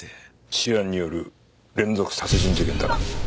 シアンによる連続殺人事件だな？